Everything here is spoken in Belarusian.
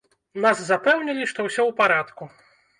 Нас запэўнілі, што ўсё ў парадку!